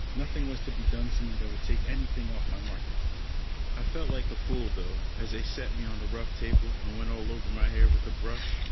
Nothing was to be done to me that would take anything off my market value. I felt like a fool though, as they set me on the rough table and went all over my hair with a brush.